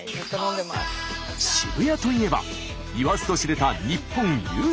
渋谷といえば言わずと知れた日本有数の繁華街。